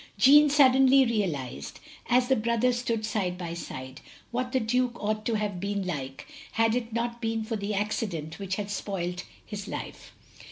Jeanne suddenly realised, as the brothers stood side by side, what the Duke ought to have been like had it not been for the accident which had spoilt his life.